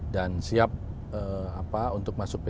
dan siap untuk masuk p tiga